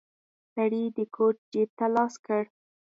سړی د کوټ جيب ته لاس کړ.